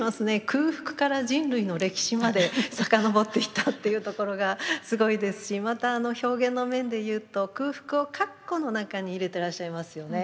空腹から人類の歴史まで遡っていったっていうところがすごいですしまた表現の面で言うと空腹を括弧の中に入れてらっしゃいますよね。